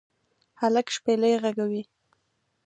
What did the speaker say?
هلک شپیلۍ ږغوي